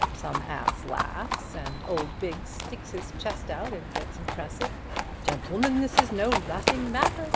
Some ass laughs, and old Biggs sticks his chest out and gets impressive. 'Gentlemen, this is no laughing matter.